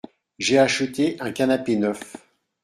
J’ai acheté un canapé neuf.